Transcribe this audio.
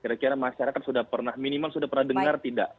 kira kira masyarakat sudah pernah minimal sudah pernah dengar tidak